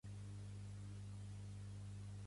Macassey finalment es va decidir pels Mournes a Down.